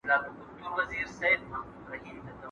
تجربې د ښوونکي له خوا کيږي.